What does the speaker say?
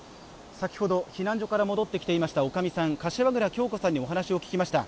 先ほど避難所から戻ってきていましたおかみさん柏倉さんにお話を聞きました